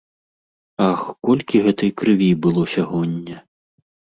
Ах, колькі гэтай крыві было сягоння!